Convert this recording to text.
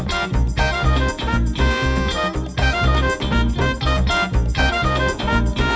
các tỉnh thành phố